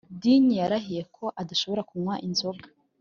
digne yarahiye ko adashobora kunywa inzoga